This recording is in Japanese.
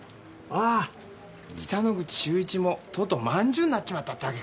ああ北之口秀一もとうとう饅頭になっちまったってわけか。